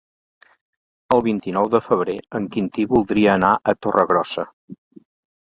El vint-i-nou de febrer en Quintí voldria anar a Torregrossa.